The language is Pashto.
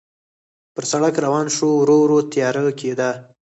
پر سړک روان شوو، ورو ورو تیاره کېده.